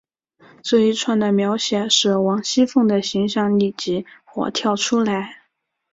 这一串的描写使王熙凤的形象立即活跳出来。